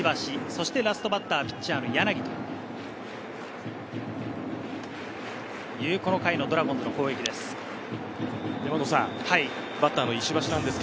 そしてラストバッターピッチャーの柳という、この回のドラゴンズの攻撃です。